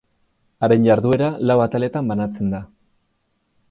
Haren jarduera lau ataletan banatzen da.